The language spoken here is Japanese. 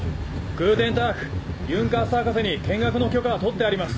グーテンタークユンカース博士に見学の許可は取ってあります。